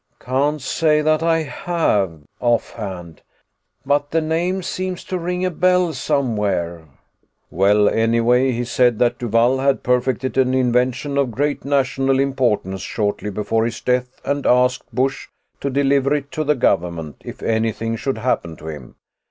"Can't say that I have, off hand. But the name seems to ring a bell somewhere." "Well, anyway, he said that Duvall had perfected an invention of great national importance shortly before his death and asked Busch to deliver it to the government if anything should happen to him.